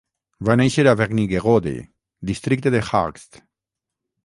Va néixer a Wernigerode, districte de Harz.